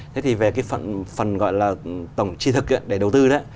thế thì về cái phần gọi là tổng chi thực để đầu tư đấy